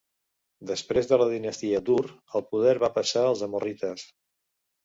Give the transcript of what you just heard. Després de la dinastia d'Ur el poder va passar als amorrites.